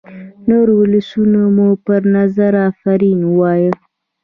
نور ولسونه مو پر نظم آفرین ووايي.